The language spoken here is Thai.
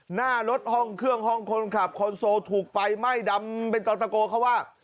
หน้ารถห้องเครื่องห้องคนขับคอนโซลถูกไฟไหม้ดำเป็นตอนตะโกเขาว่า